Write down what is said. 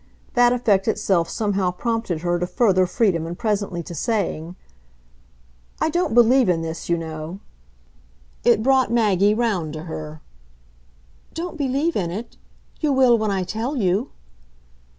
That effect itself somehow prompted her to further freedom and presently to saying: "I don't believe in this, you know." It brought Maggie round to her. "Don't believe in it? You will when I tell you."